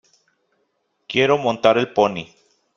Quiero montar el pony.